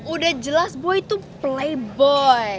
udah jelas boy itu playboy